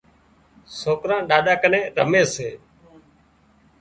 سوڪران ڏاڏا ڪنين رمي سي